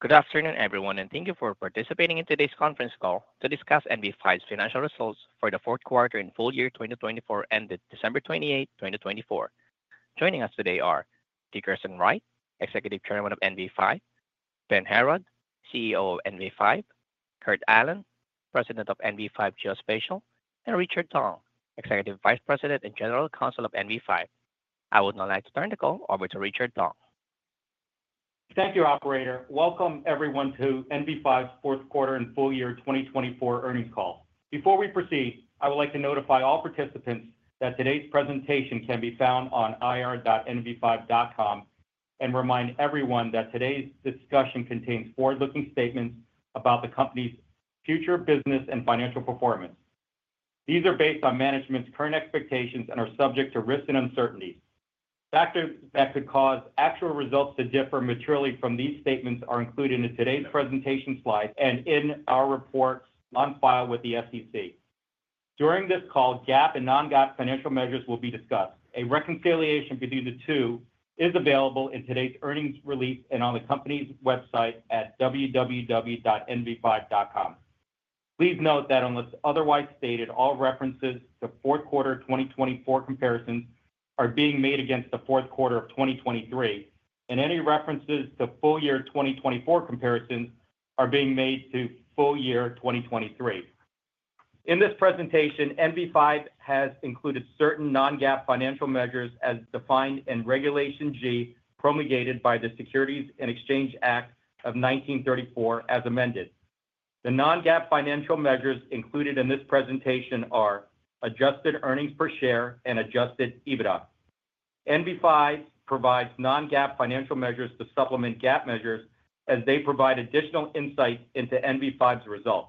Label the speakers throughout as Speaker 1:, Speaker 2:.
Speaker 1: Good afternoon, everyone, and thank you for participating in today's conference call to discuss NV5's Financial Results for the Q4 and Full Year 2024 ended December 28, 2024. Joining us today are Dickerson Wright, Executive Chairman of NV5, Ben Heraud, CEO of NV5, Kurt Allen, President of NV5 Geospatial, and Richard Tong, Executive Vice President and General Counsel of NV5. I would now like to turn the call over to Richard Tong.
Speaker 2: Thank you, Operator. Welcome, everyone, to NV5's Q4 and full year 2024 earnings call. Before we proceed, I would like to notify all participants that today's presentation can be found on ir.nv5.com and remind everyone that today's discussion contains forward-looking statements about the company's future business and financial performance. These are based on management's current expectations and are subject to risks and uncertainties. Factors that could cause actual results to differ materially from these statements are included in today's presentation slides and in our reports on file with the SEC. During this call, GAAP and non-GAAP financial measures will be discussed. A reconciliation between the two is available in today's earnings release and on the company's website at www.nv5.com. Please note that unless otherwise stated, all references to Q4 2024 comparisons are being made against the Q4 of 2023, and any references to full year 2024 comparisons are being made to full year 2023. In this presentation, NV5 has included certain non-GAAP financial measures as defined in Regulation G, promulgated by the Securities Exchange Act of 1934, as amended. The non-GAAP financial measures included in this presentation are adjusted earnings per share and adjusted EBITDA. NV5 provides non-GAAP financial measures to supplement GAAP measures, as they provide additional insight into NV5's results.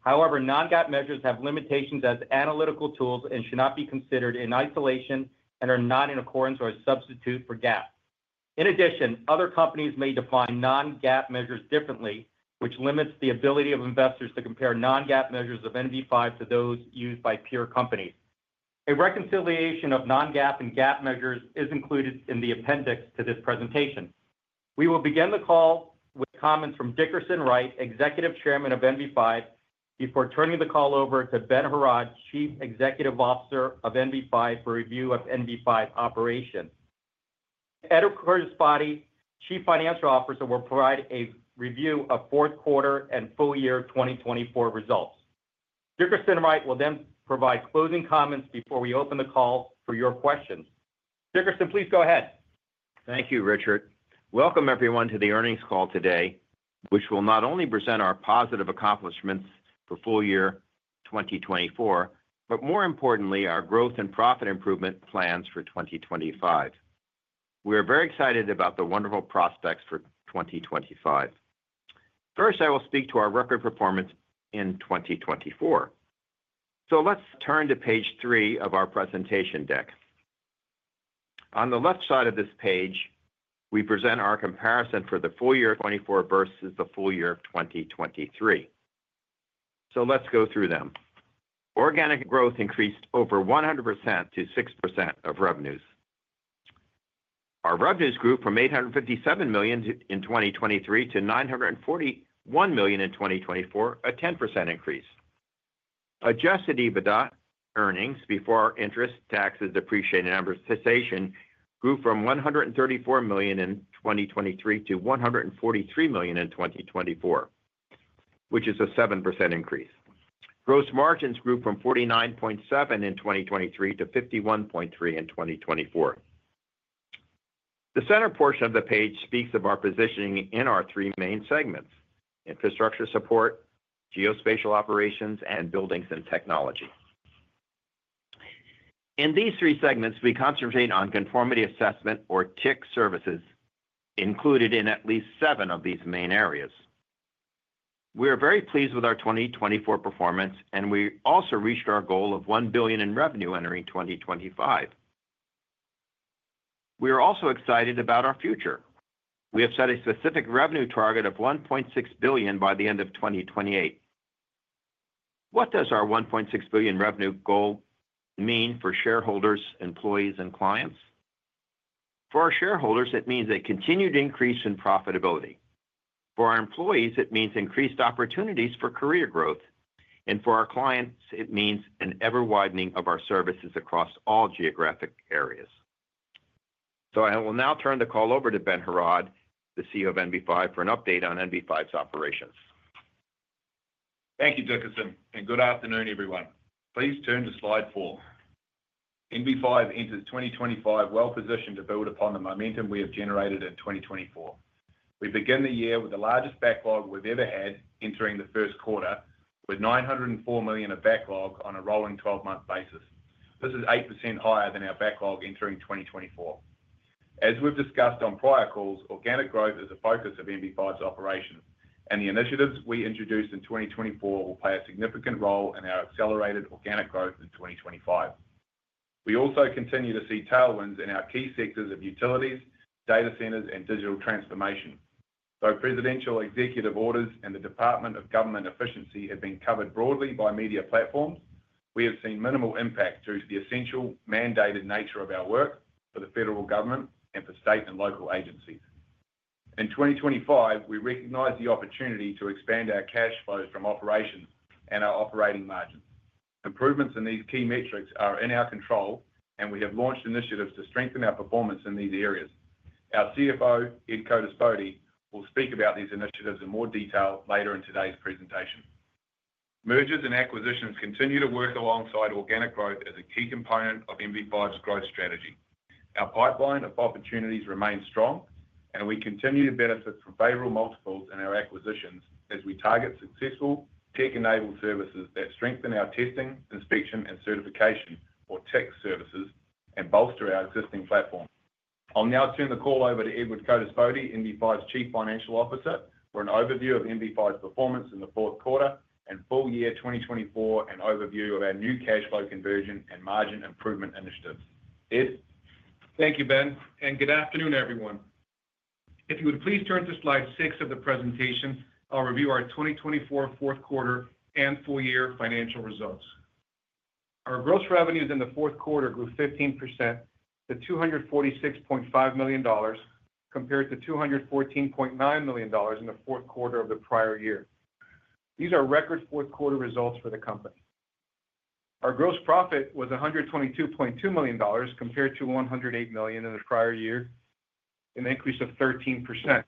Speaker 2: However, non-GAAP measures have limitations as analytical tools and should not be considered in isolation and are not in accordance or a substitute for GAAP. In addition, other companies may define non-GAAP measures differently, which limits the ability of investors to compare non-GAAP measures of NV5 to those used by peer companies. A reconciliation of non-GAAP and GAAP measures is included in the appendix to this presentation. We will begin the call with comments from Dickerson Wright, Executive Chairman of NV5, before turning the call over to Ben Heraud, Chief Executive Officer of NV5, for review of NV5 operations. Edward Codispoti, Chief Financial Officer, will provide a review of Q4 and full year 2024 results. Dickerson Wright will then provide closing comments before we open the call for your questions. Dickerson, please go ahead.
Speaker 3: Thank you, Richard. Welcome, everyone, to the earnings call today, which will not only present our positive accomplishments for full year 2024, but more importantly, our growth and profit improvement plans for 2025. We are very excited about the wonderful prospects for 2025. First, I will speak to our record performance in 2024. So let's turn to page three of our presentation deck. On the left side of this page, we present our comparison for the full year 2024 versus the full year 2023. So let's go through them. Organic growth increased over 100% to 6% of revenues. Our revenues grew from $857 million in 2023 to $941 million in 2024, a 10% increase. Adjusted EBITDA earnings, before interest, taxes, depreciation, and amortization, grew from $134 million in 2023 to $143 million in 2024, which is a 7% increase. Gross margins grew from 49.7% in 2023 to 51.3% in 2024. The center portion of the page speaks of our positioning in our three main segments: infrastructure support, geospatial operations, and buildings and technology. In these three segments, we concentrate on conformity assessment, or TIC services, included in at least seven of these main areas. We are very pleased with our 2024 performance, and we also reached our goal of $1 billion in revenue entering 2025. We are also excited about our future. We have set a specific revenue target of $1.6 billion by the end of 2028. What does our $1.6 billion revenue goal mean for shareholders, employees, and clients? For our shareholders, it means a continued increase in profitability. For our employees, it means increased opportunities for career growth, and for our clients, it means an ever-widening of our services across all geographic areas. So I will now turn the call over to Ben Heraud, the CEO of NV5, for an update on NV5's operations.
Speaker 4: Thank you, Dickerson, and good afternoon, everyone. Please turn to Slide 4. NV5 enters 2025 well-positioned to build upon the momentum we have generated in 2024. We begin the year with the largest backlog we've ever had entering the Q1, with $904 million of backlog on a rolling 12-month basis. This is 8% higher than our backlog entering 2024. As we've discussed on prior calls, organic growth is a focus of NV5's operations, and the initiatives we introduced in 2024 will play a significant role in our accelerated organic growth in 2025. We also continue to see tailwinds in our key sectors of utilities, data centers, and digital transformation. Though presidential executive orders and the Department of Government Efficiency have been covered broadly by media platforms, we have seen minimal impact due to the essential mandated nature of our work for the federal government and for state and local agencies. In 2025, we recognize the opportunity to expand our cash flows from operations and our operating margins. Improvements in these key metrics are in our control, and we have launched initiatives to strengthen our performance in these areas. Our CFO, Ed Codispoti, will speak about these initiatives in more detail later in today's presentation. Mergers and acquisitions continue to work alongside organic growth as a key component of NV5's growth strategy. Our pipeline of opportunities remains strong, and we continue to benefit from favorable multiples in our acquisitions as we target successful tech-enabled services that strengthen our testing, inspection, and certification, or TIC services, and bolster our existing platform. I'll now turn the call over to Edward Codispoti, NV5's Chief Financial Officer, for an overview of NV5's performance in the Q4 and full year 2024, and an overview of our new cash flow conversion and margin improvement initiatives. Ed.
Speaker 5: Thank you, Ben, and good afternoon, everyone. If you would please turn to Slide 6 of the presentation, I'll review our 2024 Q4 and full year financial results. Our gross revenues in the Q4 grew 15% to $246.5 million, compared to $214.9 million in the Q4 of the prior year. These are record Q4 results for the company. Our gross profit was $122.2 million compared to $108 million in the prior year, an increase of 13%.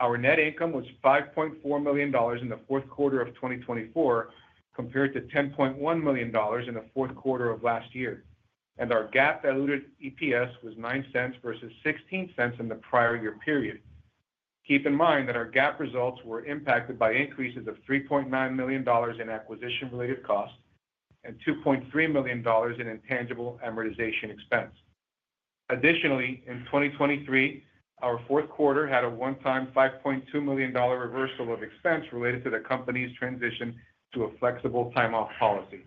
Speaker 5: Our net income was $5.4 million in the Q4 of 2024, compared to $10.1 million in the Q4 of last year. And our GAAP diluted EPS was $0.09 versus $0.16 in the prior year period. Keep in mind that our GAAP results were impacted by increases of $3.9 million in acquisition-related costs and $2.3 million in intangible amortization expense. Additionally, in 2023, our Q4 had a one-time $5.2 million reversal of expense related to the company's transition to a flexible time-off policy.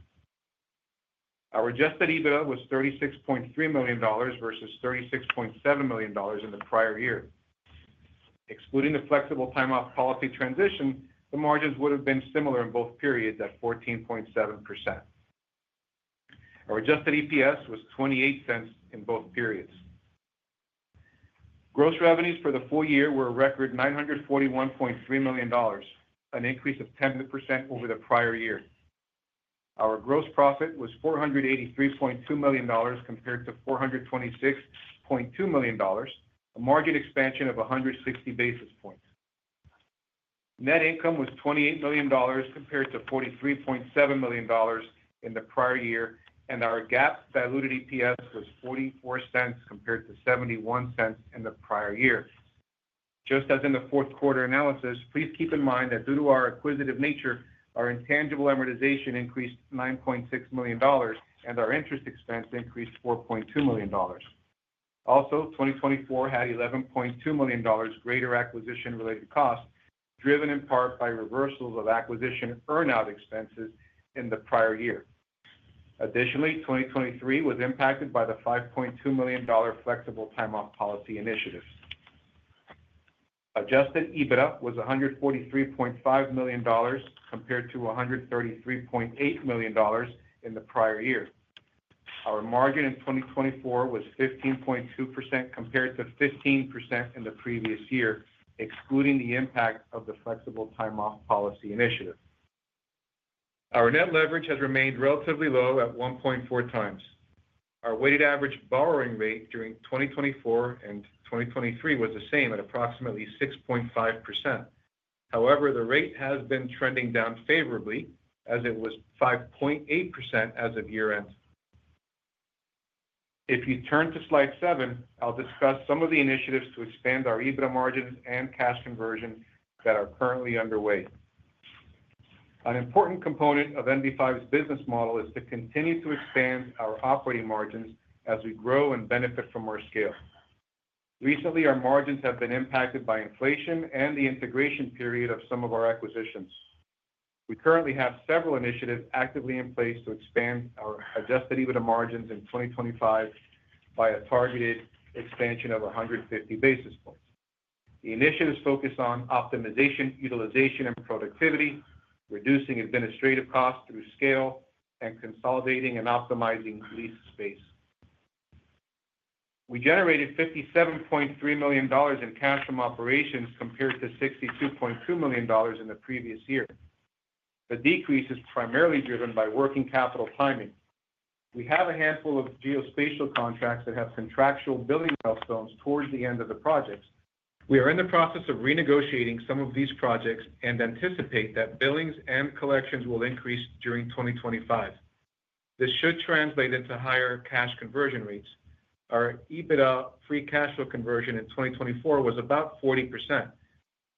Speaker 5: Our adjusted EBITDA was $36.3 million versus $36.7 million in the prior year. Excluding the flexible time-off policy transition, the margins would have been similar in both periods at 14.7%. Our adjusted EPS was $0.28 in both periods. Gross revenues for the full year were a record $941.3 million, an increase of 10% over the prior year. Our gross profit was $483.2 million compared to $426.2 million, a margin expansion of 160 basis points. Net income was $28 million compared to $43.7 million in the prior year, and our GAAP diluted EPS was $0.44 compared to $0.71 in the prior year. Just as in the Q4 analysis, please keep in mind that due to our acquisitive nature, our intangible amortization increased $9.6 million, and our interest expense increased $4.2 million. Also, 2024 had $11.2 million greater acquisition-related costs, driven in part by reversals of acquisition earn-out expenses in the prior year. Additionally, 2023 was impacted by the $5.2 million flexible time-off policy initiative. Adjusted EBITDA was $143.5 million compared to $133.8 million in the prior year. Our margin in 2024 was 15.2% compared to 15% in the previous year, excluding the impact of the flexible time-off policy initiative. Our net leverage has remained relatively low at 1.4 times. Our weighted average borrowing rate during 2024 and 2023 was the same at approximately 6.5%. However, the rate has been trending down favorably, as it was 5.8% as of year-end. If you turn to Slide 7, I'll discuss some of the initiatives to expand our EBITDA margins and cash conversion that are currently underway. An important component of NV5's business model is to continue to expand our operating margins as we grow and benefit from our scale. Recently, our margins have been impacted by inflation and the integration period of some of our acquisitions. We currently have several initiatives actively in place to expand our adjusted EBITDA margins in 2025 by a targeted expansion of 150 basis points. The initiatives focus on optimization, utilization, and productivity, reducing administrative costs through scale, and consolidating and optimizing lease space. We generated $57.3 million in cash from operations compared to $62.2 million in the previous year. The decrease is primarily driven by working capital timing. We have a handful of geospatial contracts that have contractual billing milestones towards the end of the projects. We are in the process of renegotiating some of these projects and anticipate that billings and collections will increase during 2025. This should translate into higher cash conversion rates. Our EBITDA free cash flow conversion in 2024 was about 40%.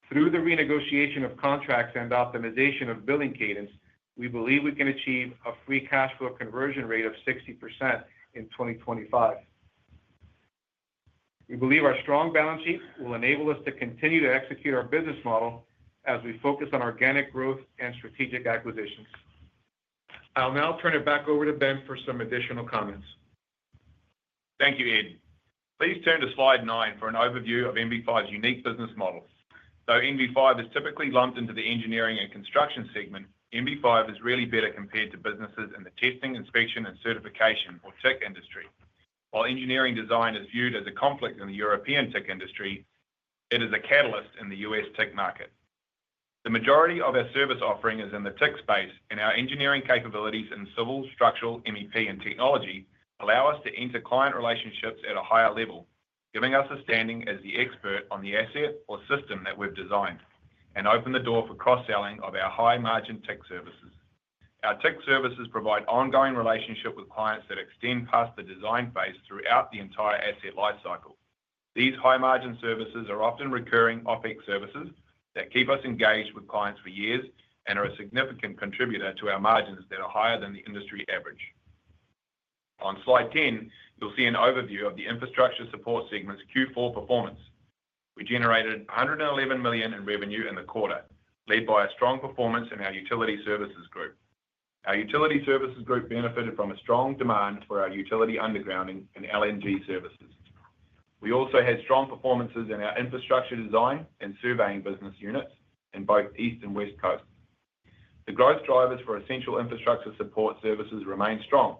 Speaker 5: Through the renegotiation of contracts and optimization of billing cadence, we believe we can achieve a free cash flow conversion rate of 60% in 2025. We believe our strong balance sheet will enable us to continue to execute our business model as we focus on organic growth and strategic acquisitions. I'll now turn it back over to Ben for some additional comments.
Speaker 4: Thank you, Ed. Please turn to Slide 9 for an overview of NV5's unique business model. Though NV5 is typically lumped into the engineering and construction segment, NV5 is really better compared to businesses in the testing, inspection, and certification, or TIC industry. While engineering design is viewed as a conflict in the European TIC industry, it is a catalyst in the U.S. TIC market. The majority of our service offering is in the TIC space, and our engineering capabilities in civil, structural, MEP, and technology allow us to enter client relationships at a higher level, giving us a standing as the expert on the asset or system that we've designed and open the door for cross-selling of our high-margin TIC services. Our TIC services provide ongoing relationships with clients that extend past the design phase throughout the entire asset lifecycle. These high-margin services are often recurring OpEx services that keep us engaged with clients for years and are a significant contributor to our margins that are higher than the industry average. On Slide 10, you'll see an overview of the infrastructure support segment's Q4 performance. We generated $111 million in revenue in the quarter, led by a strong performance in our utility services group. Our utility services group benefited from a strong demand for our utility undergrounding and LNG services. We also had strong performances in our infrastructure design and surveying business units in both East Coast and West Coast. The growth drivers for essential infrastructure support services remain strong,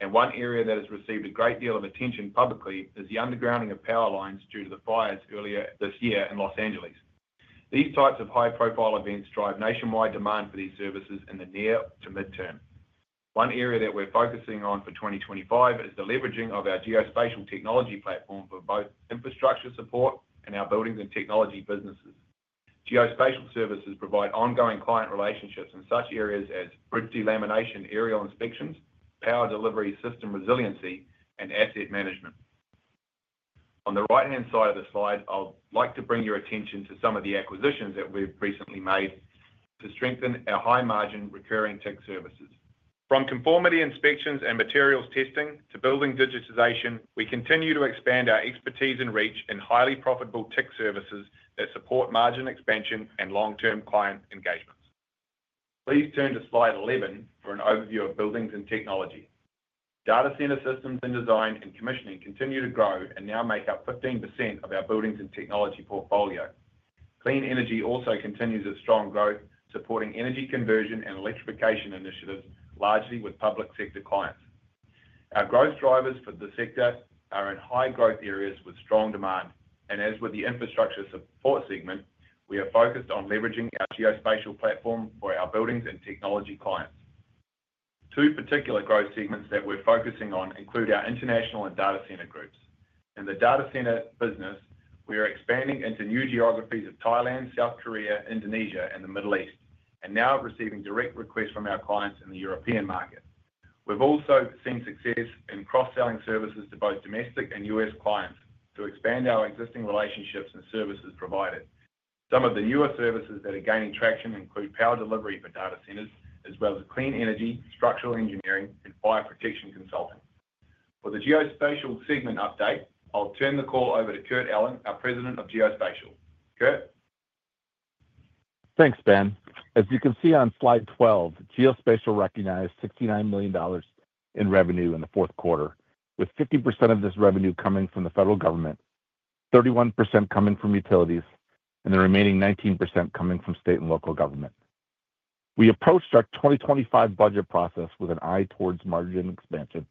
Speaker 4: and one area that has received a great deal of attention publicly is the undergrounding of power lines due to the fires earlier this year in Los Angeles. These types of high-profile events drive nationwide demand for these services in the near to midterm. One area that we're focusing on for 2025 is the leveraging of our geospatial technology platform for both infrastructure support and our buildings and technology businesses. Geospatial services provide ongoing client relationships in such areas as delamination aerial inspections, power delivery system resiliency, and asset management. On the right-hand side of the slide, I'd like to bring your attention to some of the acquisitions that we've recently made to strengthen our high-margin recurring TIC services. From conformity inspections and materials testing to building digitization, we continue to expand our expertise and reach in highly profitable TIC services that support margin expansion and long-term client engagements. Please turn to Slide 11 for an overview of buildings and technology. Data center systems and design and commissioning continue to grow and now make up 15% of our buildings and technology portfolio. Clean energy also continues its strong growth, supporting energy conversion and electrification initiatives largely with public sector clients. Our growth drivers for the sector are in high-growth areas with strong demand, and as with the infrastructure support segment, we are focused on leveraging our geospatial platform for our buildings and technology clients. Two particular growth segments that we're focusing on include our international and data center groups. In the data center business, we are expanding into new geographies of Thailand, South Korea, Indonesia, and the Middle East, and now receiving direct requests from our clients in the European market. We've also seen success in cross-selling services to both domestic and U.S. clients to expand our existing relationships and services provided. Some of the newer services that are gaining traction include power delivery for data centers, as well as clean energy, structural engineering, and fire protection consulting. For the geospatial segment update, I'll turn the call over to Kurt Allen, our President of Geospatial. Kurt.
Speaker 6: Thanks, Ben. As you can see on Slide 12, Geospatial recognized $69 million in revenue in the Q4, with 50% of this revenue coming from the federal government, 31% coming from utilities, and the remaining 19% coming from state and local government. We approached our 2025 budget process with an eye towards margin expansion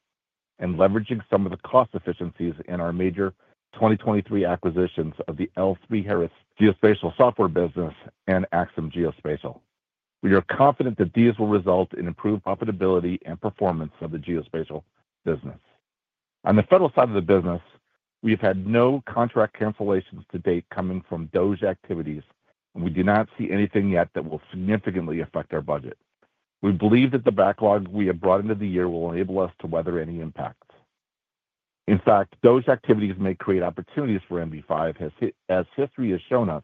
Speaker 6: and leveraging some of the cost efficiencies in our major 2023 acquisitions of the L3Harris Geospatial Software business and Axim Geospatial. We are confident that these will result in improved profitability and performance of the geospatial business. On the federal side of the business, we have had no contract cancellations to date coming from DOGE activities, and we do not see anything yet that will significantly affect our budget. We believe that the backlog we have brought into the year will enable us to weather any impacts. In fact, DOGE activities may create opportunities for NV5, as history has shown us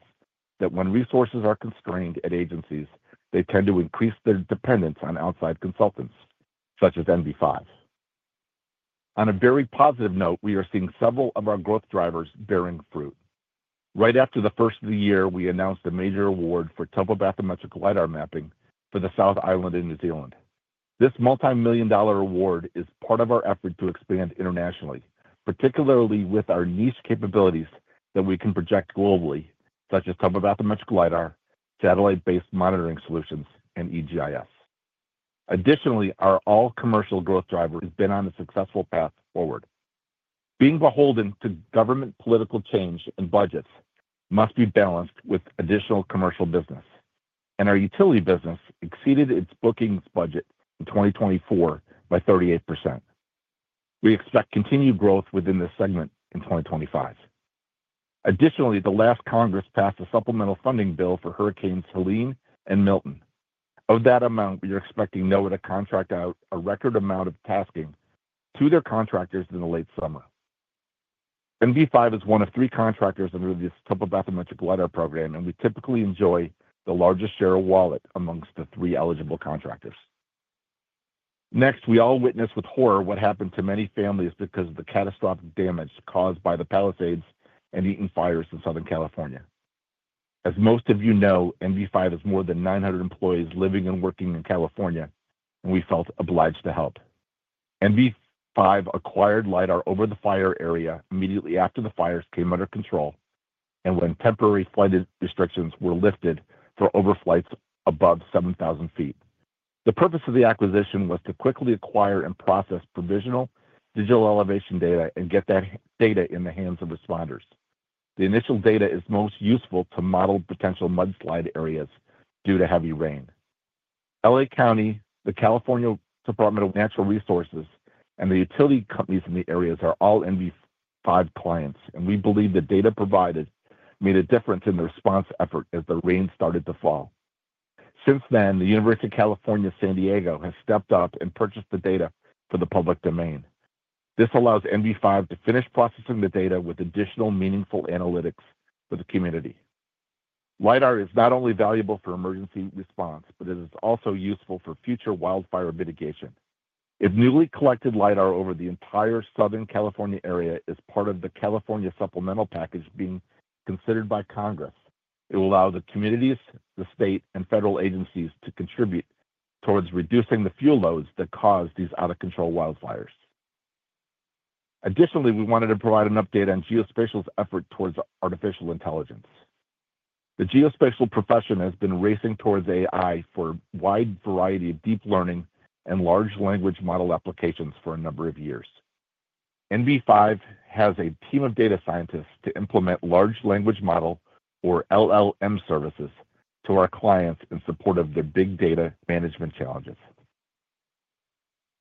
Speaker 6: that when resources are constrained at agencies, they tend to increase their dependence on outside consultants, such as NV5. On a very positive note, we are seeing several of our growth drivers bearing fruit. Right after the first of the year, we announced a major award for topobathymetric LiDAR mapping for the South Island in New Zealand. This $multi-million-dollar award is part of our effort to expand internationally, particularly with our niche capabilities that we can project globally, such as topobathymetric LiDAR, satellite-based monitoring solutions, and EGIS. Additionally, our all-commercial growth driver has been on a successful path forward. Being beholden to government political change and budgets must be balanced with additional commercial business, and our utility business exceeded its bookings budget in 2024 by 38%. We expect continued growth within this segment in 2025. Additionally, the last Congress passed a supplemental funding bill for Hurricanes Helene and Milton. Of that amount, we are expecting NOAA to contract out a record amount of tasking to their contractors in the late summer. NV5 is one of three contractors under this Topobathymetric LiDAR program, and we typically enjoy the largest share of wallet among the three eligible contractors. Next, we all witnessed with horror what happened to many families because of the catastrophic damage caused by the Palisades and Eaton fires in Southern California. As most of you know, NV5 has more than 900 employees living and working in California, and we felt obliged to help. NV5 acquired LiDAR over the fire area immediately after the fires came under control and when temporary flight restrictions were lifted for overflights above 7,000 feet. The purpose of the acquisition was to quickly acquire and process provisional digital elevation data and get that data in the hands of responders. The initial data is most useful to model potential mudslide areas due to heavy rain. LA County, the California Department of Natural Resources, and the utility companies in the areas are all NV5 clients, and we believe the data provided made a difference in the response effort as the rain started to fall. Since then, the University of California, San Diego, has stepped up and purchased the data for the public domain. This allows NV5 to finish processing the data with additional meaningful analytics for the community. LiDAR is not only valuable for emergency response, but it is also useful for future wildfire mitigation. If newly collected LiDAR over the entire Southern California area is part of the California Supplemental Package being considered by Congress, it will allow the communities, the state, and federal agencies to contribute towards reducing the fuel loads that cause these out-of-control wildfires. Additionally, we wanted to provide an update on Geospatial's effort towards artificial intelligence. The geospatial profession has been racing towards AI for a wide variety of deep learning and large language model applications for a number of years. NV5 has a team of data scientists to implement large language model or LLM services to our clients in support of their big data management challenges.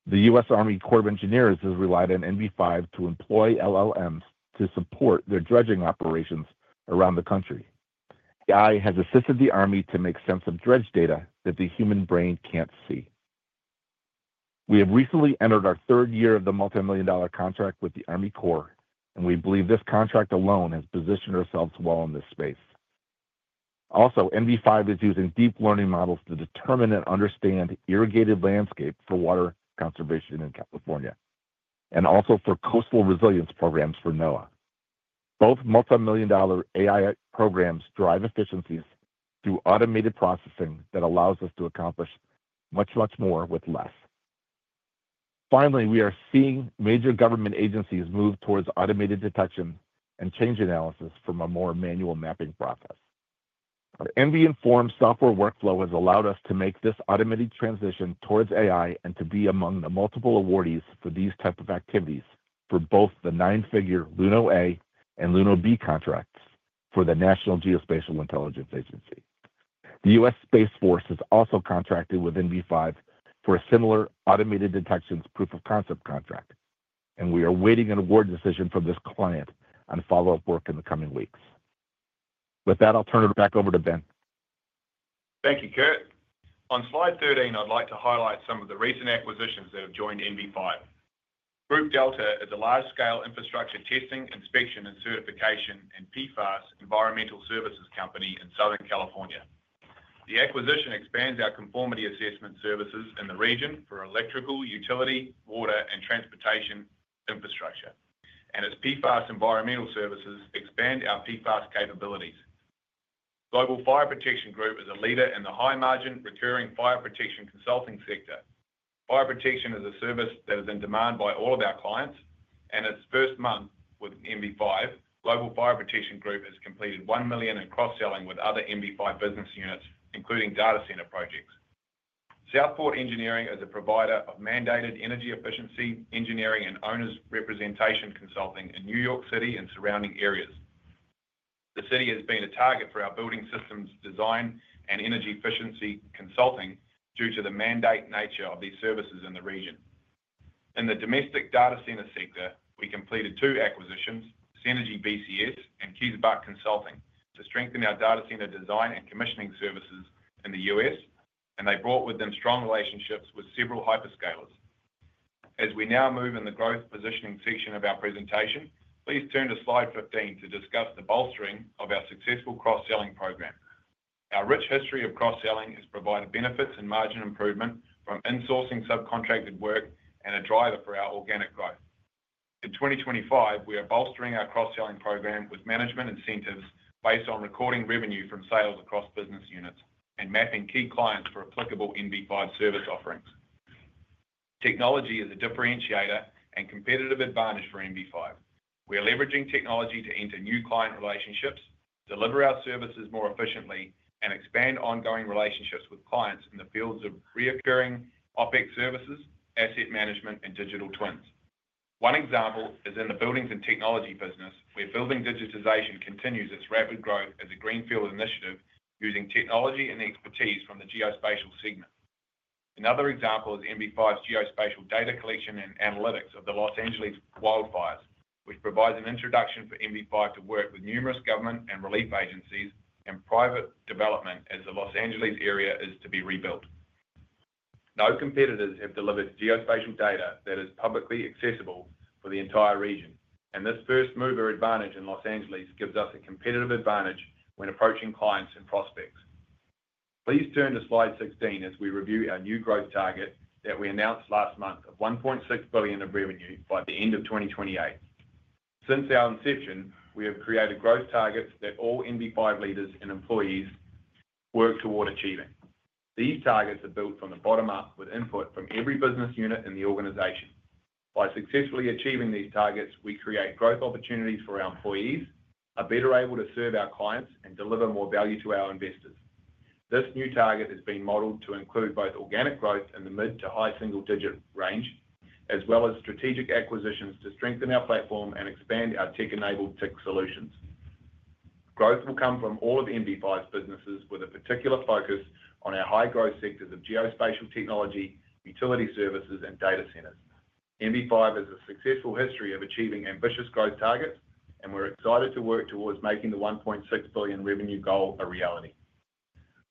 Speaker 6: The U.S. Army Corps of Engineers has relied on NV5 to employ LLMs to support their dredging operations around the country. AI has assisted the Army to make sense of dredge data that the human brain can't see. We have recently entered our third year of the multi-million dollar contract with the Army Corps, and we believe this contract alone has positioned ourselves well in this space. Also, NV5 is using deep learning models to determine and understand irrigated landscape for water conservation in California and also for coastal resilience programs for NOAA. Both multi-million dollar AI programs drive efficiencies through automated processing that allows us to accomplish much, much more with less. Finally, we are seeing major government agencies move towards automated detection and change analysis from a more manual mapping process. Our ENVI Inform software workflow has allowed us to make this automated transition towards AI and to be among the multiple awardees for these types of activities for both the nine-figure LUNO-A and LUNO-B contracts for the National Geospatial-Intelligence Agency. The U.S. Space Force has also contracted with NV5 for a similar automated detections proof of concept contract, and we are waiting an award decision from this client on follow-up work in the coming weeks. With that, I'll turn it back over to Ben.
Speaker 4: Thank you, Kurt. On Slide 13, I'd like to highlight some of the recent acquisitions that have joined NV5. Group Delta is a large-scale infrastructure testing, inspection, and certification in PFAS Environmental Services Company in Southern California. The acquisition expands our conformity assessment services in the region for electrical, utility, water, and transportation infrastructure, and its PFAS Environmental Services expand our PFAS capabilities. Global Fire Protection Group is a leader in the high-margin recurring fire protection consulting sector. Fire protection is a service that is in demand by all of our clients, and its first month with NV5, Global Fire Protection Group has completed $1 million in cross-selling with other NV5 business units, including data center projects. Southport Engineering is a provider of mandated energy efficiency engineering and owners' representation consulting in New York City and surrounding areas. The city has been a target for our building systems design and energy efficiency consulting due to the mandate nature of these services in the region. In the domestic data center sector, we completed two acquisitions, Synergy BCS and Kisebach Consulting, to strengthen our data center design and commissioning services in the U.S., and they brought with them strong relationships with several hyperscalers. As we now move in the growth positioning section of our presentation, please turn to Slide 15 to discuss the bolstering of our successful cross-selling program. Our rich history of cross-selling has provided benefits and margin improvement from insourcing subcontracted work and a driver for our organic growth. In 2025, we are bolstering our cross-selling program with management incentives based on recording revenue from sales across business units and mapping key clients for applicable NV5 service offerings. Technology is a differentiator and competitive advantage for NV5. We are leveraging technology to enter new client relationships, deliver our services more efficiently, and expand ongoing relationships with clients in the fields of recurring OPEX services, asset management, and digital twins. One example is in the buildings and technology business, where building digitization continues its rapid growth as a greenfield initiative using technology and expertise from the geospatial segment. Another example is NV5's geospatial data collection and analytics of the Los Angeles wildfires, which provides an introduction for NV5 to work with numerous government and relief agencies and private development as the Los Angeles area is to be rebuilt. No competitors have delivered geospatial data that is publicly accessible for the entire region, and this first-mover advantage in Los Angeles gives us a competitive advantage when approaching clients and prospects. Please turn to Slide 16 as we review our new growth target that we announced last month of $1.6 billion of revenue by the end of 2028. Since our inception, we have created growth targets that all NV5 leaders and employees work toward achieving. These targets are built from the bottom up with input from every business unit in the organization. By successfully achieving these targets, we create growth opportunities for our employees, are better able to serve our clients, and deliver more value to our investors. This new target has been modeled to include both organic growth in the mid to high single-digit range, as well as strategic acquisitions to strengthen our platform and expand our tech-enabled tech solutions. Growth will come from all of NV5's businesses with a particular focus on our high-growth sectors of geospatial technology, utility services, and data centers. NV5 has a successful history of achieving ambitious growth targets, and we're excited to work towards making the $1.6 billion revenue goal a reality.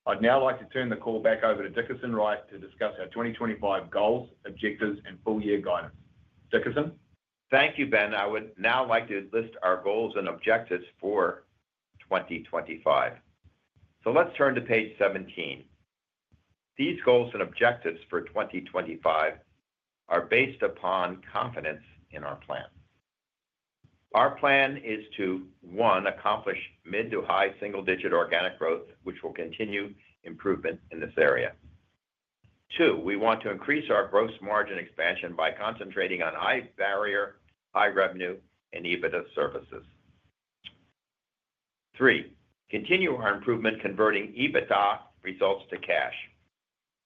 Speaker 4: I'd now like to turn the call back over to Dickerson Wright to discuss our 2025 goals, objectives, and full-year guidance. Dickerson? Thank you, Ben. I would now like to list our goals and objectives for 2025. So let's turn to page 17. These goals and objectives for 2025 are based upon confidence in our plan. Our plan is to, one, accomplish mid- to high-single-digit organic growth, which will continue improvement in this area. Two, we want to increase our gross margin expansion by concentrating on high barrier, high revenue, and EBITDA services. Three, continue our improvement converting EBITDA results to cash.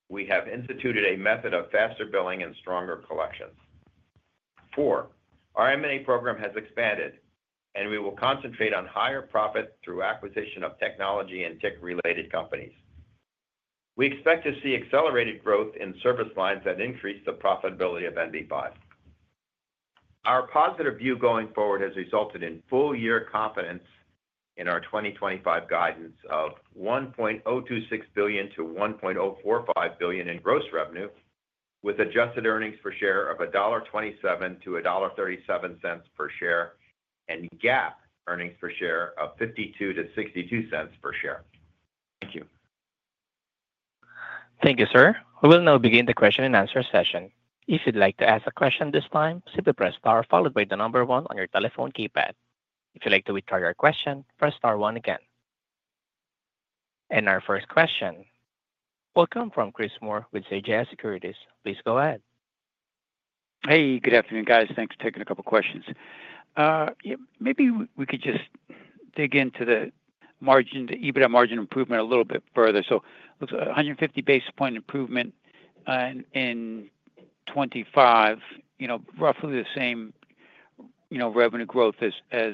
Speaker 4: We have instituted a method of faster billing and stronger collections. Four, our M&A program has expanded, and we will concentrate on higher profit through acquisition of technology and tech-related companies. We expect to see accelerated growth in service lines that increase the profitability of NV5. Our positive view going forward has resulted in full-year confidence in our 2025 guidance of $1.026 billion-$1.045 billion in gross revenue, with adjusted earnings per share of $1.27-$1.37 per share and GAAP earnings per share of $0.52-$0.62 per share. Thank you.
Speaker 1: Thank you, sir. We will now begin the Q&A session. If you'd like to ask a question this time, simply press star followed by the number one on your telephone keypad. If you'd like to withdraw your question, press star one again. And our first question will come from Chris Moore with CJS Securities. Please go ahead.
Speaker 7: Hey, good afternoon, guys. Thanks for taking a couple of questions. Maybe we could just dig into the margin, the EBITDA margin improvement a little bit further. So looks like 150 basis points improvement in 2025, you know, roughly the same revenue growth as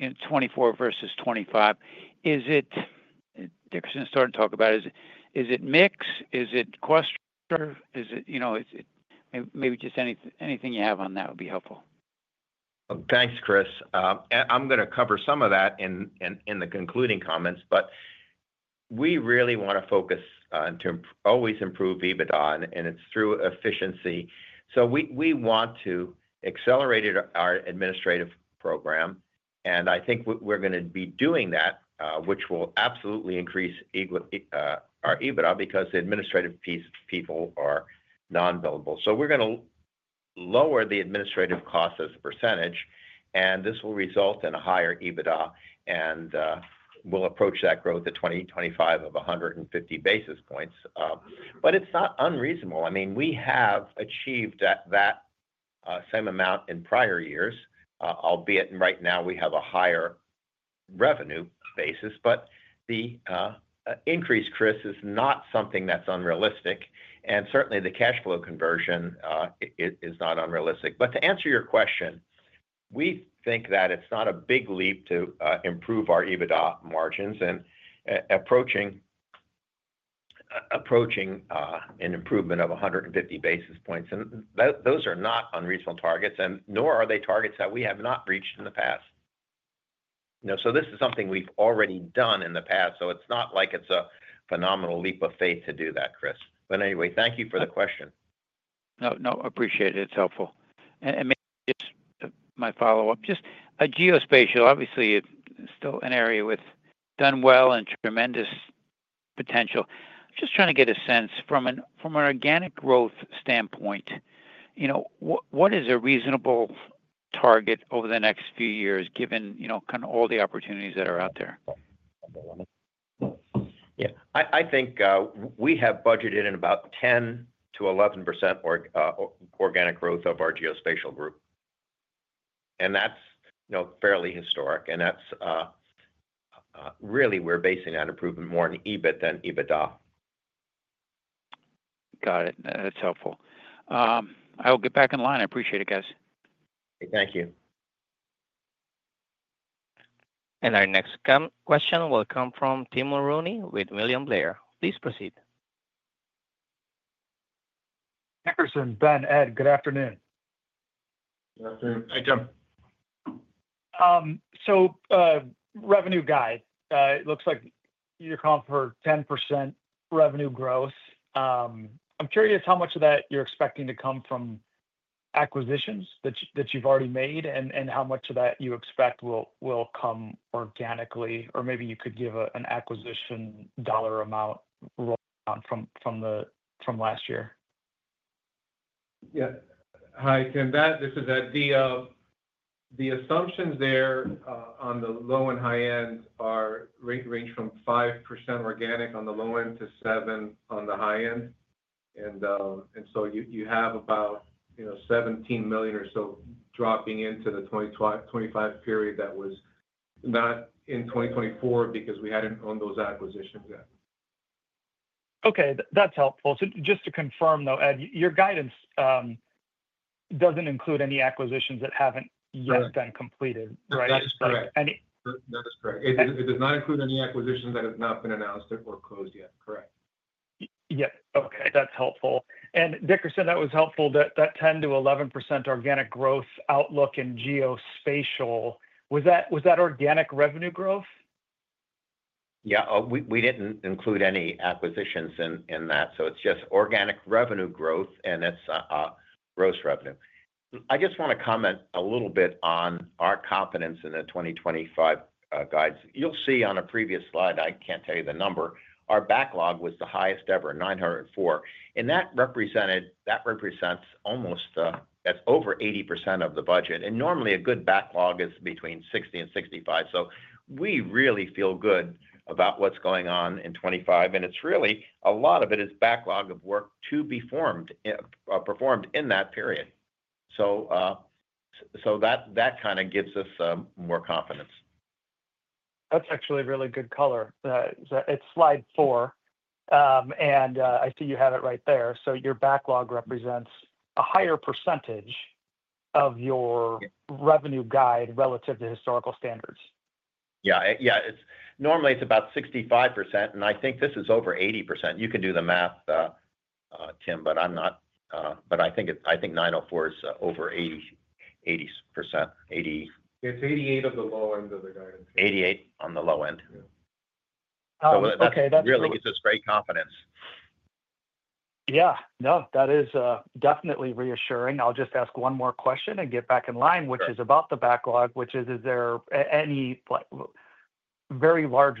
Speaker 7: 2024 versus 2025. Is it, Dickerson started talking about, is it mixed? Is it cluster? Is it, you know, maybe just anything you have on that would be helpful.
Speaker 4: Thanks, Chris. I'm going to cover some of that in the concluding comments, but we really want to focus on to always improve EBITDA, and it's through efficiency. So we want to accelerate our administrative program, and we're going to be doing that, which will absolutely increase our EBITDA because the administrative people are non-billable. So we're going to lower the administrative cost as a percentage, and this will result in a higher EBITDA, and we'll approach that growth in 2025 of 150 basis points. But it's not unreasonable. I mean, we have achieved that same amount in prior years, albeit right now we have a higher revenue basis, but the increase, Chris, is not something that's unrealistic, and certainly the cash flow conversion is not unrealistic. But to answer your question, we think that it's not a big leap to improve our EBITDA margins and approaching an improvement of 150 basis points. And those are not unreasonable targets, and nor are they targets that we have not reached in the past. So this is something we've already done in the past, so it's not like it's a phenomenal leap of faith to do that, Chris. But anyway, thank you for the question.
Speaker 8: No, no. Appreciate it. It's helpful, and maybe just my follow-up, just a geospatial. Obviously it's still an area we've done well and tremendous potential. Just trying to get a sense from an organic growth standpoint, you know, what is a reasonable target over the next few years given all the opportunities that are out there?
Speaker 4: We have budgeted in about 10%-11% organic growth of our geospatial group, and that's fairly historic, and that's really we're basing that improvement more on EBIT than EBITDA.
Speaker 7: Got it. That's helpful. I'll get back in line. I appreciate it, guys.
Speaker 4: Thank you.
Speaker 1: Our next question will come from Tim Mulrooney with William Blair. Please proceed.
Speaker 7: Dickerson, Ben, Ed, good afternoon.
Speaker 6: Good afternoon.
Speaker 4: Hi, Tim.
Speaker 7: Revenue guidance, it looks like you're calling for 10% revenue growth. I'm curious how much of that you're expecting to come from acquisitions that you've already made and how much of that you expect will come organically, or maybe you could give an acquisition dollar amount from last year.
Speaker 5: Hi, Tim, this is Ed. The assumptions there on the low and high end range from 5% organic on the low end to 7% on the high end. And so you have about $17 million or so dropping into the 2025 period that was not in 2024 because we hadn't owned those acquisitions yet.
Speaker 7: Okay, that's helpful. So just to confirm though, Ed, your guidance doesn't include any acquisitions that haven't yet been completed, right?
Speaker 5: That's correct. It does not include any acquisitions that have not been announced or closed yet. Correct.
Speaker 7: Okay, that's helpful. And Dickerson, that was helpful, that 10%-11% organic growth outlook in geospatial, was that organic revenue growth?
Speaker 4: We didn't include any acquisitions in that, so it's just organic revenue growth, and it's gross revenue. I just want to comment a little bit on our confidence in the 2025 guides. You'll see on a previous slide, I can't tell you the number, our backlog was the highest ever, 904. And that represents almost, that's over 80% of the budget. And normally a good backlog is between 60 and 65. So we really feel good about what's going on in 2025, and it's really a lot of it is backlog of work to be performed in that period. So that gives us more confidence.
Speaker 7: That's actually a really good color. It's Slide 4, and I see you have it right there. So your backlog represents a higher percentage of your revenue guide relative to historical standards.
Speaker 4: Normally it's about 65%, and this is over 80%. You can do the math, Tim, but I'm not, but 90% is over 80%.
Speaker 7: It's 88 of the low end of the guidance.
Speaker 4: 88 on the low end. So that really gives us great confidence.
Speaker 7: No, that is definitely reassuring. I'll just ask one more question and get back in line, which is about the backlog, which is, is there any very large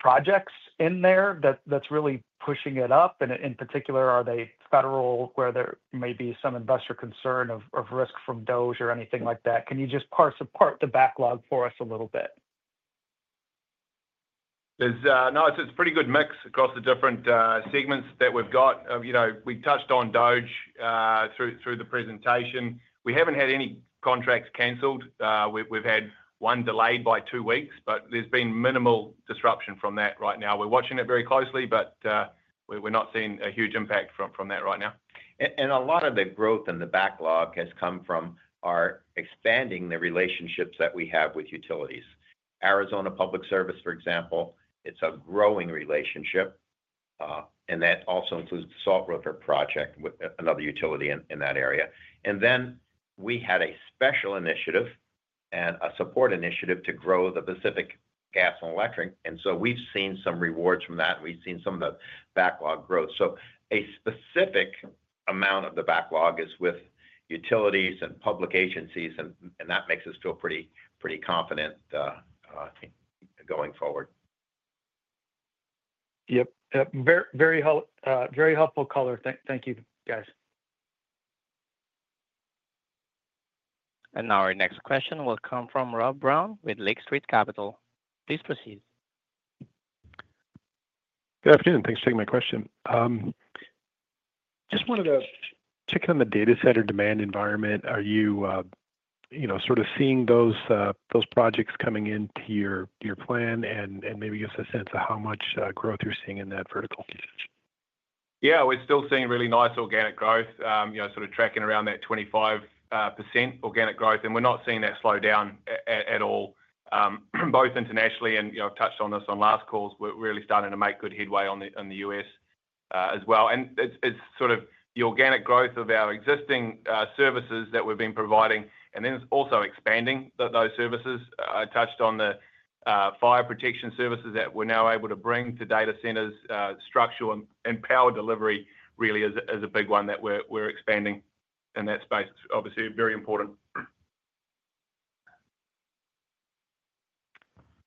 Speaker 7: projects in there that's really pushing it up, and in particular, are they federal where there may be some investor concern of risk from DOGE or anything like that? Can you just parse apart the backlog for us a little bit?
Speaker 4: No, it's a pretty good mix across the different segments that we've got. We touched on DOGE through the presentation. We haven't had any contracts canceled. We've had one delayed by two weeks, but there's been minimal disruption from that right now. We're watching it very closely, but we're not seeing a huge impact from that right now.
Speaker 2: And a lot of the growth in the backlog has come from our expanding the relationships that we have with utilities. Arizona Public Service, for example, it's a growing relationship, and that also includes the Salt River Project, another utility in that area. And then we had a special initiative and a support initiative to grow the Pacific Gas and Electric. And so we've seen some rewards from that, and we've seen some of the backlog growth. So a specific amount of the backlog is with utilities and public agencies, and that makes us feel pretty confident going forward.
Speaker 7: Yep, yep. Very helpful color. Thank you, guys.
Speaker 1: Our next question will come from Rob Brown with Lake Street Capital. Please proceed.
Speaker 9: Good afternoon. Thanks for taking my question. Just wanted to check on the data center demand environment. Are you seeing those projects coming into your plan and maybe give us a sense of how much growth you're seeing in that vertical?
Speaker 4: We're still seeing really nice organic growth, tracking around that 25% organic growth, and we're not seeing that slow down at all, both internationally. And I've touched on this on last calls. We're really starting to make good headway in the U.S. as well. And it's the organic growth of our existing services that we've been providing, and then it's also expanding those services. I touched on the fire protection services that we're now able to bring to data centers. Structural and power delivery really is a big one that we're expanding in that space. Obviously, very important.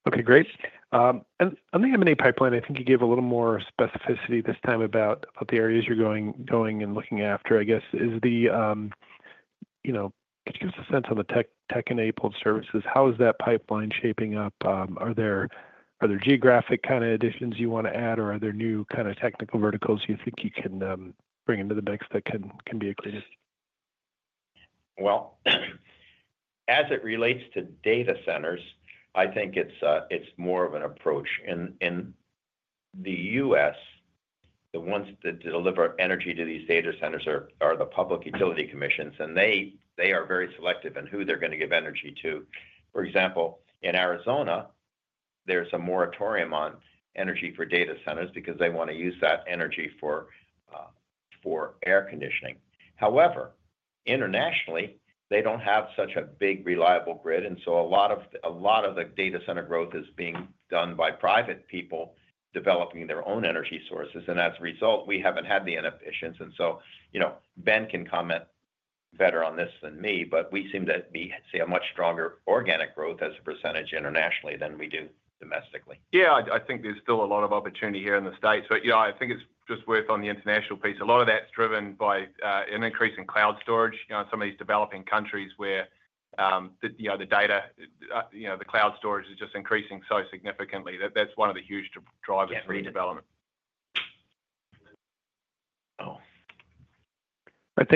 Speaker 9: Okay, great. On the M&A pipeline, you gave a little more specificity this time about the areas you're going and looking after. Could you give us a sense on the tech-enabled services? How is that pipeline shaping up? Are there geographic additions you want to add, or are there new technical verticals you think you can bring into the mix that can be included?
Speaker 3: As it relates to data centers, it's more of an approach. In the U.S., the ones that deliver energy to these data centers are the public utility commissions, and they are very selective in who they're going to give energy to. For example, in Arizona, there's a moratorium on energy for data centers because they want to use that energy for air conditioning. However, internationally, they don't have such a big reliable grid, and so a lot of the data center growth is being done by private people developing their own energy sources, and as a result, we haven't had the inefficiencies. And so Ben can comment better on this than me, but we seem to see a much stronger organic growth as a percentage internationally than we do domestically.
Speaker 4: There's still a lot of opportunity here in the States, but it's just worth noting on the international piece. A lot of that's driven by an increase in cloud storage in some of these developing countries where the data, the cloud storage is just increasing so significantly that that's one of the huge drivers for redevelopment.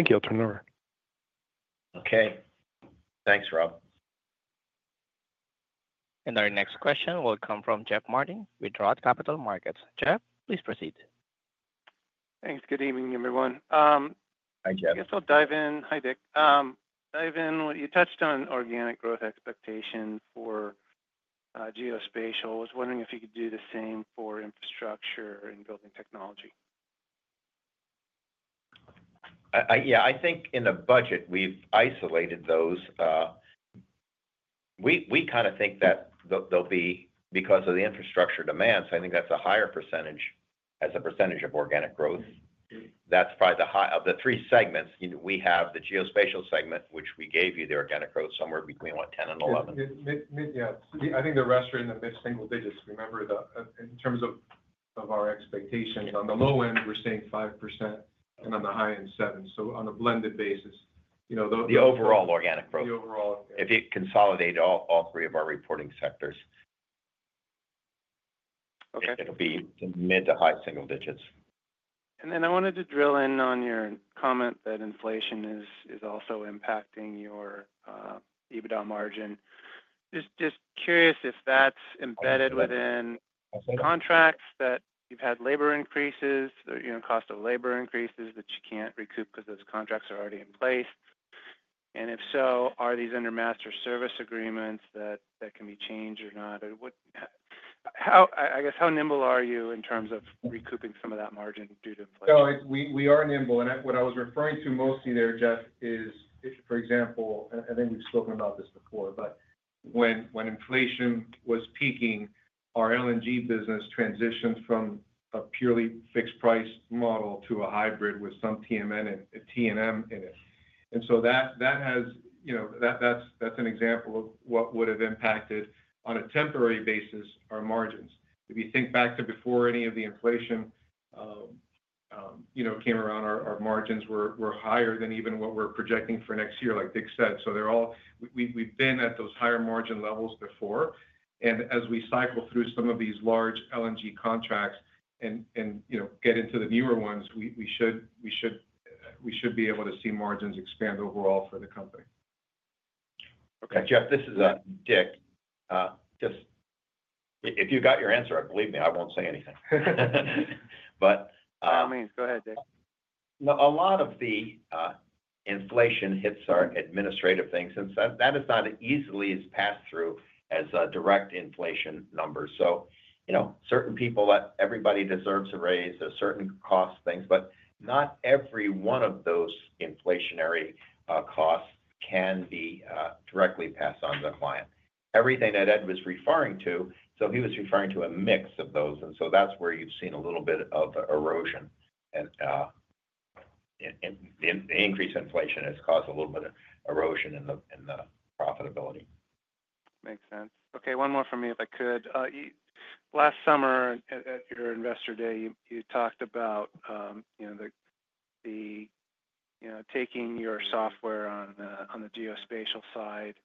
Speaker 9: You'll turn over.
Speaker 2: Okay. Thanks, Rob.
Speaker 1: Our next question will come from Jeff Martin with Roth Capital Markets. Jeff, please proceed.
Speaker 10: Thanks. Good evening, everyone.
Speaker 2: Thank you.
Speaker 10: I'll dive in. Hi, Dick. Ivan, you touched on organic growth expectation for geospatial. I was wondering if you could do the same for infrastructure and building technology.
Speaker 3: In the budget we've isolated those. We think that they'll be because of the infrastructure demands. That's a higher percentage as a percentage of organic growth. That's probably the high of the three segments. We have the geospatial segment, which we gave you the organic growth somewhere between what, 10%-11%?
Speaker 6: The rest are in the mid-single digits. Remember that in terms of our expectations, on the low end, we're seeing 5%, and on the high end, 7%. So on a blended basis.
Speaker 3: The overall organic growth. If you consolidate all three of our reporting sectors, it'll be mid to high single digits.
Speaker 10: And then I wanted to drill in on your comment that inflation is also impacting your EBITDA margin. Just curious if that's embedded within contracts that you've had labor increases, cost of labor increases that you can't recoup because those contracts are already in place? And if so, are these under master service agreements that can be changed or not? How nimble are you in terms of recouping some of that margin due to inflation?
Speaker 6: No, we are nimble. And what I was referring to mostly there, Jeff, is, for example, we've spoken about this before, but when inflation was peaking, our LNG business transitioned from a purely fixed price model to a hybrid with some T&M in it. And so that has, that's an example of what would have impacted on a temporary basis our margins. If you think back to before any of the inflation came around, our margins were higher than even what we're projecting for next year, like Dick said. So we've been at those higher margin levels before. And as we cycle through some of these large LNG contracts and get into the newer ones, we should be able to see margins expand overall for the company.
Speaker 3: Okay, Jeff, this is Dick. Just if you got your answer, believe me, I won't say anything. But.
Speaker 10: No means. Go ahead, Dick.
Speaker 3: A lot of the inflation hits our administrative things, and that is not easily as passed through as direct inflation numbers. So certain people that everybody deserves to raise are certain cost things, but not every one of those inflationary costs can be directly passed on to the client. Everything that Ed was referring to, so he was referring to a mix of those, and so that's where you've seen a little bit of erosion. And the increase in inflation has caused a little bit of erosion in the profitability.
Speaker 10: Makes sense. Okay, one more from me, if I could. Last summer at your investor day, you talked about taking your software on the geospatial side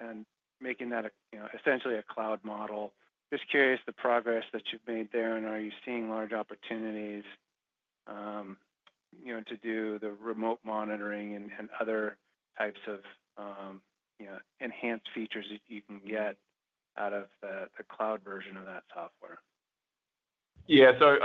Speaker 10: and making that essentially a cloud model. Just curious the progress that you've made there, and are you seeing large opportunities to do the remote monitoring and other types of enhanced features that you can get out of the cloud version of that software?
Speaker 4: so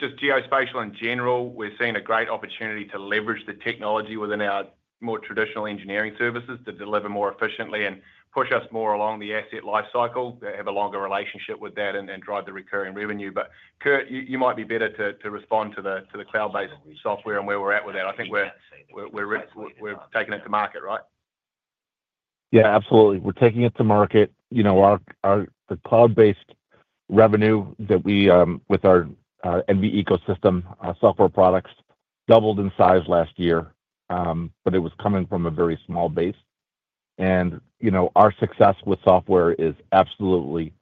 Speaker 4: just geospatial in general, we're seeing a great opportunity to leverage the technology within our more traditional engineering services to deliver more efficiently and push us more along the asset lifecycle, have a longer relationship with that, and drive the recurring revenue, but Kurt, you might be better to respond to the cloud-based software and where we're at with that we're taking it to market, right?
Speaker 6: Absolutely. We're taking it to market. The cloud-based revenue that we with our ENVI software products doubled in size last year, but it was coming from a very small base, and our success with software is absolutely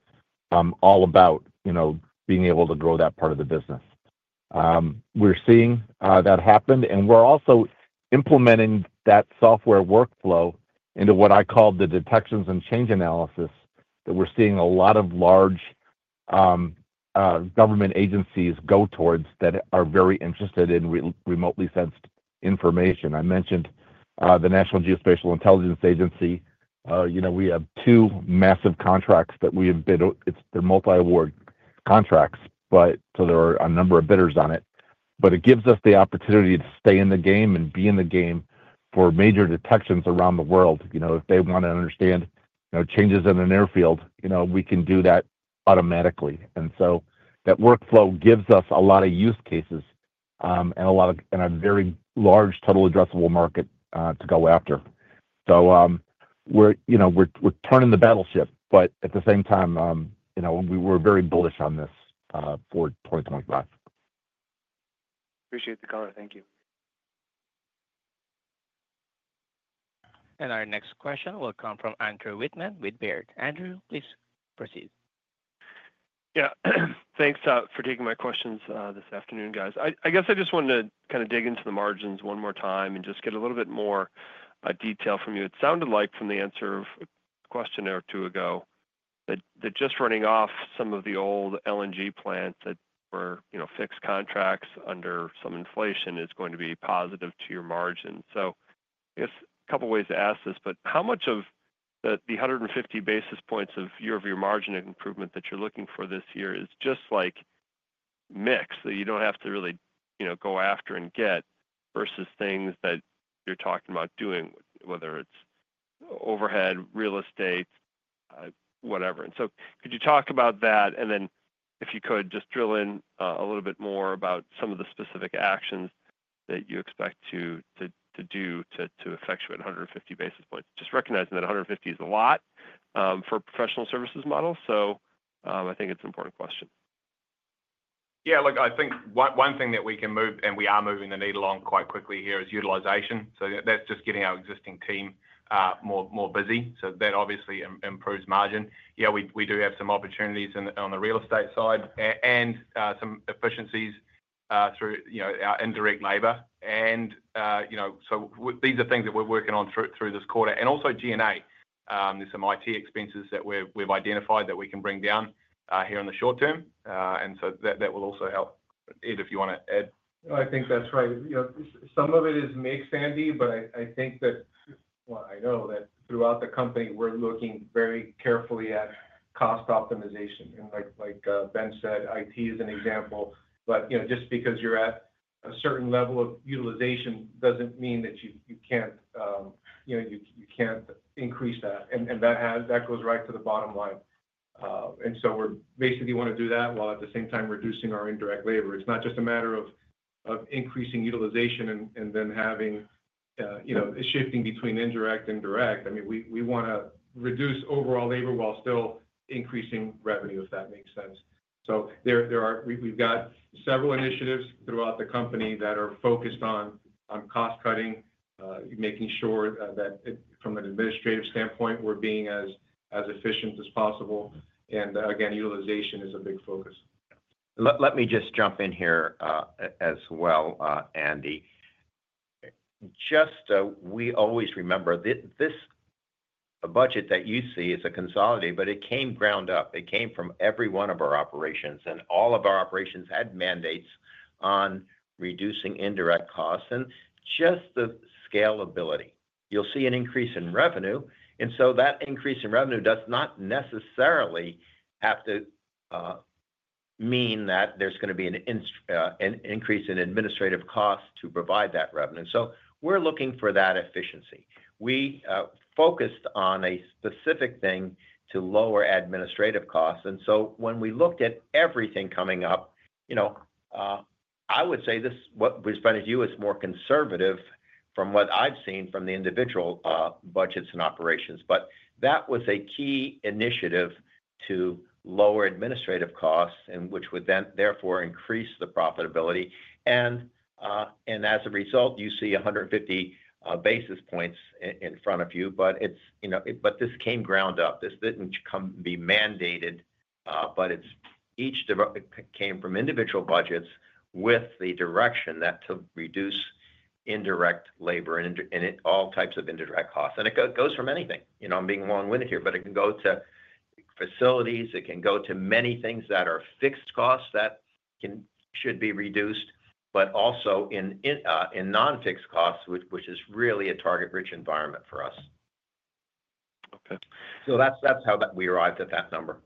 Speaker 6: all about being able to grow that part of the business. We're seeing that happen, and we're also implementing that software workflow into what I call the detections and change analysis that we're seeing a lot of large government agencies go towards that are very interested in remotely sensed information. I mentioned the National Geospatial-Intelligence Agency. We have two massive contracts that we have bid. It's the multi-award contracts, but so there are a number of bidders on it, but it gives us the opportunity to stay in the game and be in the game for major detections around the world. If they want to understand changes in an airfield, we can do that automatically. And so that workflow gives us a lot of use cases and a very large total addressable market to go after. So we're turning the battleship, but at the same time, we're very bullish on this for 2025.
Speaker 10: Appreciate the color. Thank you.
Speaker 1: Our next question will come from Andrew Whitman with Baird. Andrew, please proceed.
Speaker 11: Thanks for taking my questions this afternoon, guys. I just wanted to dig into the margins one more time and just get a little bit more detail from you. It sounded like from the answer of a question or two ago that just running off some of the old LNG plants that were fixed contracts under some inflation is going to be positive to your margin. So a couple of ways to ask this, but how much of the 150 basis points of your margin improvement that you're looking for this year is just like mix that you don't have to really go after and get versus things that you're talking about doing, whether it's overhead, real estate, whatever. And so could you talk about that? And then if you could, just drill in a little bit more about some of the specific actions that you expect to do to effectuate 150 basis points, just recognizing that 150 is a lot for a professional services model. So it's an important question.
Speaker 4: One thing that we can move, and we are moving the needle on quite quickly here, is utilization. So that's just getting our existing team more busy. So that obviously improves margin. We do have some opportunities on the real estate side and some efficiencies through our indirect labor. And so these are things that we're working on through this quarter. And also G&A, there's some IT expenses that we've identified that we can bring down here in the short term. And so that will also help. Ed, if you want to add.
Speaker 5: That's right. Some of it is mixed and matched, but that throughout the company, we're looking very carefully at cost optimization. And like Ben said, IT is an example, but just because you're at a certain level of utilization doesn't mean that you can't increase that. And that goes right to the bottom line. And so we basically want to do that while at the same time reducing our indirect labor. It's not just a matter of increasing utilization and then having shifting between indirect and direct. I mean, we want to reduce overall labor while still increasing revenue, if that makes sense. So we've got several initiatives throughout the company that are focused on cost cutting, making sure that from an administrative standpoint, we're being as efficient as possible. And again, utilization is a big focus.
Speaker 2: Let me just jump in here as well, Andy. Just we always remember this budget that you see is a consolidated, but it came ground up. It came from every one of our operations, and all of our operations had mandates on reducing indirect costs and just the scalability. You'll see an increase in revenue. And so that increase in revenue does not necessarily have to mean that there's going to be an increase in administrative costs to provide that revenue. So we're looking for that efficiency. We focused on a specific thing to lower administrative costs. And so when we looked at everything coming up, I would say what was found to you is more conservative from what I've seen from the individual budgets and operations. But that was a key initiative to lower administrative costs, which would then therefore increase the profitability. And as a result, you see 150 basis points in front of you, but this came from the ground up. This didn't come to be mandated, but each came from individual budgets with the direction to reduce indirect labor and all types of indirect costs. And it goes from anything. I'm being long-winded here, but it can go to facilities. It can go to many things that are fixed costs that should be reduced, but also in non-fixed costs, which is really a target-rich environment for us. So that's how we arrived at that number.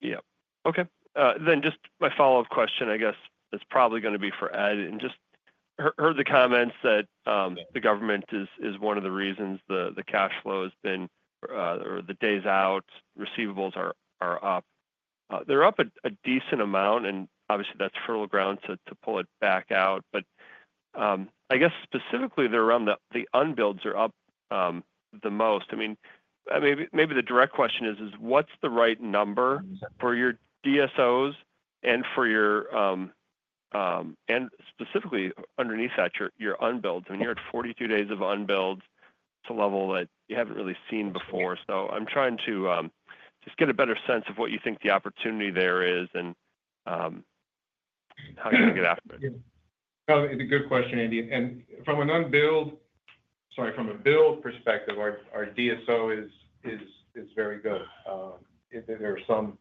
Speaker 11: Then just my follow-up question, is probably going to be for Ed. And just heard the comments that the government is one of the reasons the cash flow has been or the DSOs are up. They're up a decent amount, and obviously, that's fertile ground to pull it back out. But specifically around the unbilled are up the most. I mean, maybe the direct question is, what's the right number for your DSOs and for your, and specifically underneath that, your unbilled? I mean, you're at 42 days of unbilled to a level that you haven't really seen before. So I'm trying to just get a better sense of what you think the opportunity there is and how you're going to get after it.
Speaker 5: It's a good question, Andy. And from an unbilled, sorry, from a billed perspective, our DSO is very good. There are some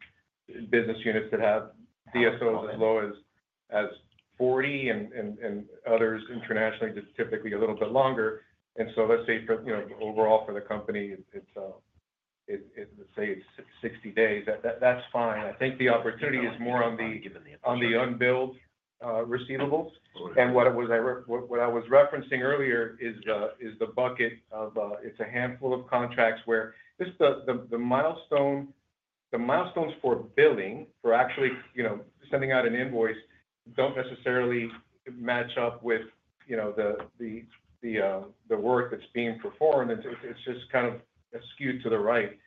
Speaker 5: business units that have DSOs as low as 40 and others internationally typically a little bit longer. And so let's say overall for the company, let's say it's 60 days, that's fine. The opportunity is more on the unbilled receivables. And what I was referencing earlier is the bucket of it's a handful of contracts where just the milestones for billing, for actually sending out an invoice, don't necessarily match up with the work that's being performed. It's just skewed to the right.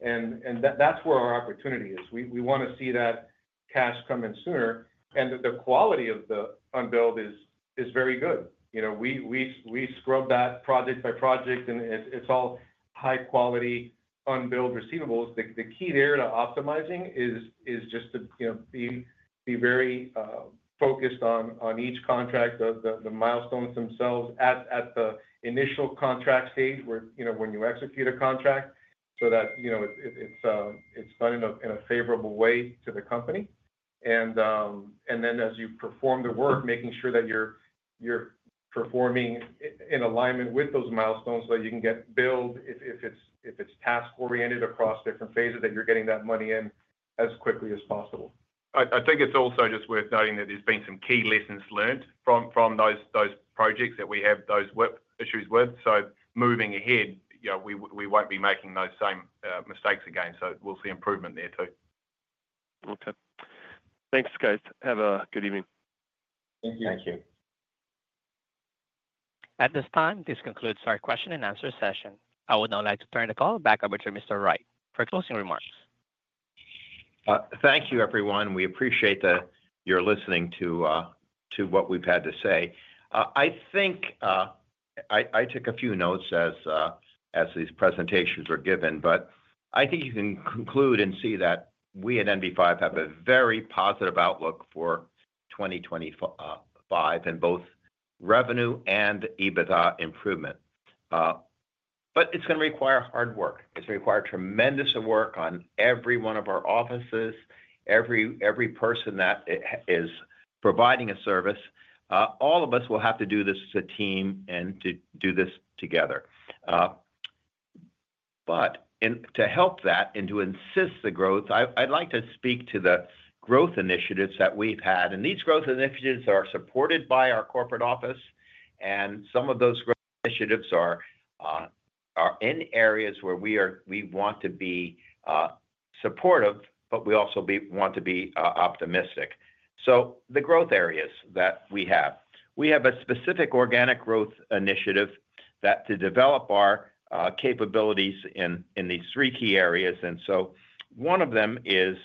Speaker 5: And that's where our opportunity is. We want to see that cash come in sooner. And the quality of the unbilled is very good. We scrub that project by project, and it's all high-quality unbilled receivables. The key there to optimizing is just to be very focused on each contract, the milestones themselves at the initial contract stage when you execute a contract so that it's done in a favorable way to the company. And then as you perform the work, making sure that you're performing in alignment with those milestones so that you can get billed if it's task-oriented across different phases that you're getting that money in as quickly as possible.
Speaker 3: It's also just worth noting that there's been some key lessons learned from those projects that we have those issues with. So moving ahead, we won't be making those same mistakes again. So we'll see improvement there too.
Speaker 11: Okay. Thanks, guys. Have a good evening.
Speaker 2: Thank you.
Speaker 7: Thank you.
Speaker 1: At this time, this concludes our Q&A session. I would now like to turn the call back over to Mr. Wright for closing remarks.
Speaker 3: Thank you, everyone. We appreciate your listening to what we've had to say. I took a few notes as these presentations were given, but you can conclude and see that we at NV5 have a very positive outlook for 2025 in both revenue and EBITDA improvement. But it's going to require hard work. It's going to require tremendous work on every one of our offices, every person that is providing a service. All of us will have to do this as a team and to do this together. But to help that and to assist the growth, I'd like to speak to the growth initiatives that we've had. And these growth initiatives are supported by our corporate office. And some of those growth initiatives are in areas where we want to be supportive, but we also want to be optimistic. So the growth areas that we have, we have a specific organic growth initiative that to develop our capabilities in these three key areas. And so one of them is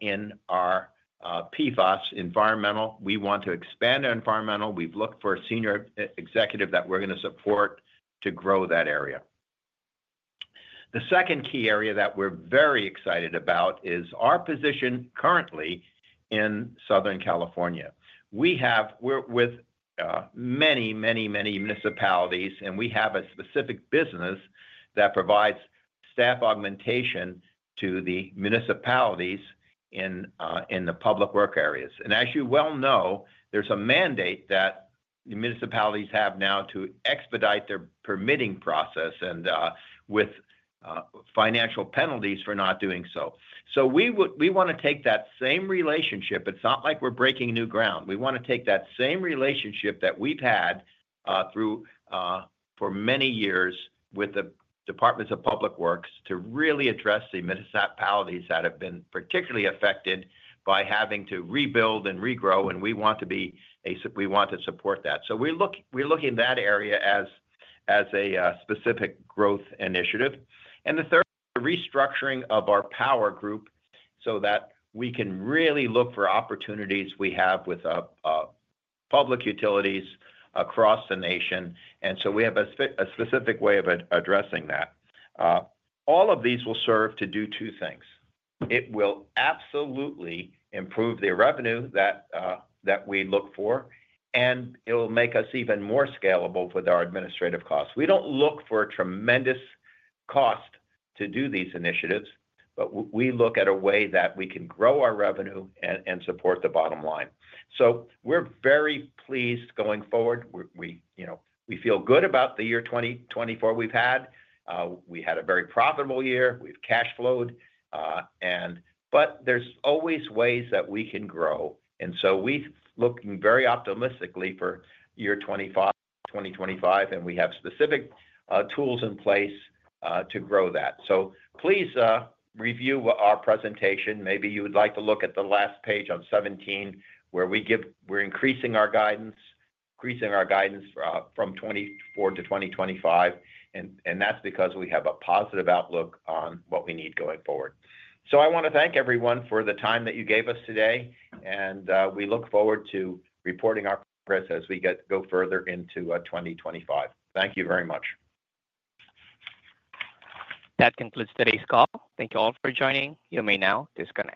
Speaker 3: in our PFAS environmental. We want to expand our environmental. We've looked for a senior executive that we're going to support to grow that area. The second key area that we're very excited about is our position currently in Southern California. We're with many, many, many municipalities, and we have a specific business that provides staff augmentation to the municipalities in the public work areas. And as you well know, there's a mandate that the municipalities have now to expedite their permitting process and with financial penalties for not doing so. So we want to take that same relationship. It's not like we're breaking new ground. We want to take that same relationship that we've had through for many years with the Departments of Public Works to really address the municipalities that have been particularly affected by having to rebuild and regrow. And we want to support that. So we're looking at that area as a specific growth initiative. And the third, restructuring of our power group so that we can really look for opportunities we have with public utilities across the nation. And so we have a specific way of addressing that. All of these will serve to do two things. It will absolutely improve the revenue that we look for, and it will make us even more scalable with our administrative costs. We don't look for tremendous cost to do these initiatives, but we look at a way that we can grow our revenue and support the bottom line. We're very pleased going forward. We feel good about the year 2024 we've had. We had a very profitable year. We've cash flowed. But there's always ways that we can grow. And so we're looking very optimistically for year 2025, and we have specific tools in place to grow that. So please review our presentation. Maybe you would like to look at the last page 17 where we're increasing our guidance, increasing our guidance from 2024 to 2025. And that's because we have a positive outlook on what we need going forward. So I want to thank everyone for the time that you gave us today. And we look forward to reporting our progress as we go further into 2025. Thank you very much.
Speaker 1: That concludes today's call. Thank you all for joining. You may now disconnect.